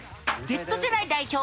Ｚ世代代表